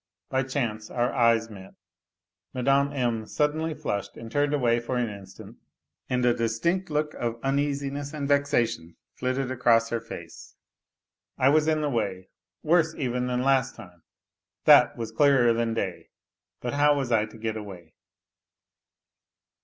By chance our eyet A LITTLE HERO 237 met : Mme. M. suddenly flushed and turned away for an instant, and a distinct look of uneasiness and vexation flitted across her face. I was in the way, worse even than last time, that was clearer than day, but how was I to get away